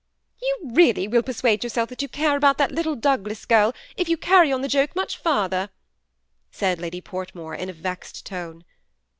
"You really will persuade yourself that you care about that little Douglas girl if you carry on the joke much further," said Lady Portmore in a vexed tone.